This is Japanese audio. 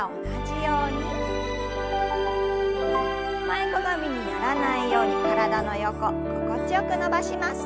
前かがみにならないように体の横心地よく伸ばします。